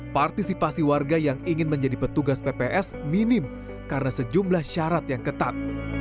partisipasi warga yang ingin menjadi petugas pps minim karena sejumlah syarat yang ketat